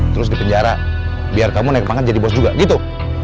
terus di penjara biar kamu naik pangan jadi bos juga gitu